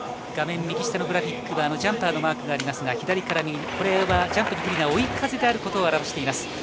画面右下のグラフィックはジャンパーのマークありますが左から右これはジャンプに不利な追い風を示しています。